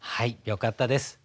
よかったです。